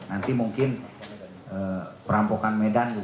nanti mungkin perampokan medan